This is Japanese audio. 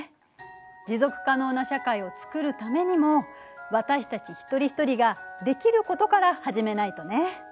「持続可能な社会」を作るためにも私たち一人ひとりができることから始めないとね。